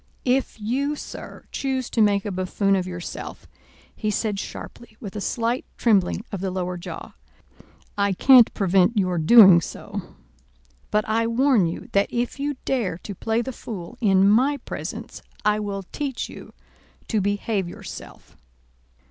"If you, sir, choose to make a buffoon of yourself," he said sharply, with a slight trembling of the lower jaw, "I can't prevent your doing so; but I warn you that if you dare to play the fool in my presence, I will teach you to behave yourself."